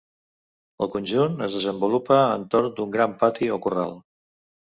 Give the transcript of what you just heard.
El conjunt es desenvolupa entorn d'un gran pati o corral.